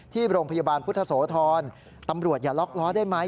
ที่โรงพยาบาลพุทธโสธรตำรวจอย่าล็อกล้อได้ไหม